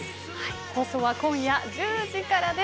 放送は、今夜１０時からです。